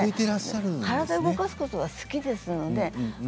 体を動かすことは好きですので。